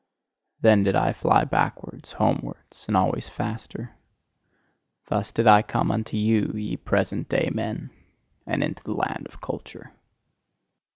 Then did I fly backwards, homewards and always faster. Thus did I come unto you, ye present day men, and into the land of culture.